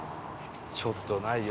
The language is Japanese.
ちょっとないよ。